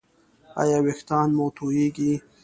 ایا ویښتان مو توییږي؟